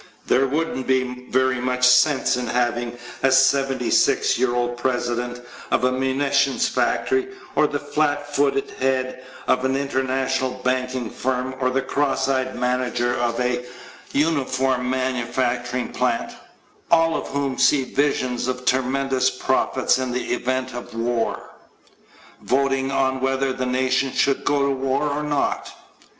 There wouldn't be very much sense in having a 76 year old president of a munitions factory or the flat footed head of an international banking firm or the cross eyed manager of a uniform manufacturing plant all of whom see visions of tremendous profits in the event of war voting on whether the nation should go to war or not.